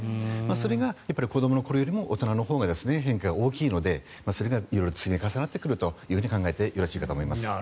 それが子どもの頃よりも大人のほうが変化が大きいのでそれが色々積み重なってくると考えてよろしいかと。